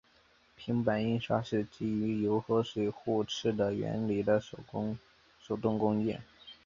平版印刷是基于油和水互斥的原理的手动工艺。